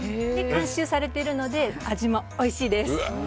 監修されているので味もおいしいです。